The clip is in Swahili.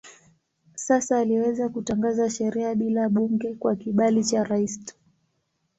Sasa aliweza kutangaza sheria bila bunge kwa kibali cha rais tu.